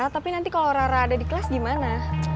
tapi nanti kalau rara ada di kelas gimana